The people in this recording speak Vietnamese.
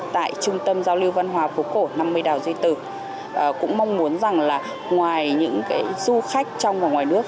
tại trung tâm giao lưu văn hóa phố cổ năm mươi đào duy tử cũng mong muốn rằng là ngoài những du khách trong và ngoài nước